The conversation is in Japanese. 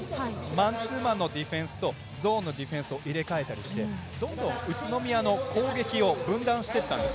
マンツーマンのディフェンスとゾーンのディフェンスを入れ替えたりして、どんどん宇都宮の攻撃を分断していったんです。